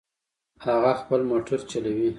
هغه خپل موټر چلوي